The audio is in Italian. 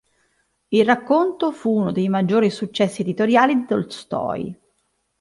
Il racconto fu uno dei maggiori successi editoriali di Tolstoj.